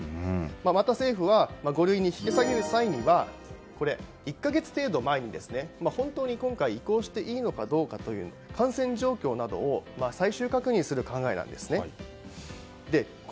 また、政府は五類に引き下げる際には１か月程度前に、本当に今回、移行していいのかという感染状況などを最終確認する考えなんですね。